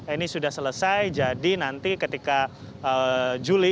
ini sudah selesai jadi nanti ketika juli